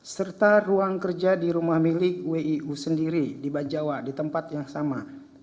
serta ruang kerja di rumah milik wiu sendiri di bajawa di tempat yang sama